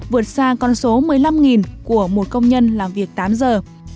vượt xa con số một mươi năm của một công nhân làm việc tám giờ